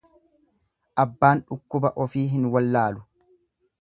Abbaan dhukkuba ofii hin wallaalu.